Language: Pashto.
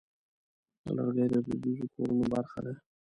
لرګی د دودیزو کورونو برخه ده.